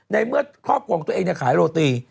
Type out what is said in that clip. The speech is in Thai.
ในเมื่อครอบครองตัวเองเนี่ยขายโรตี